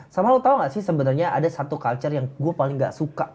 sama lo tau gak sih sebenarnya ada satu culture yang gue paling gak suka